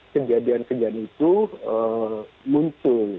kejadian kejadian itu muncul